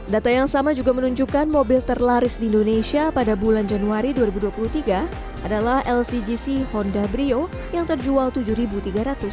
data yang sama juga menunjukkan mobil terlaris di indonesia pada bulan januari dua ribu dua puluh tiga adalah lcgc honda brio yang terjual rp tujuh tiga ratus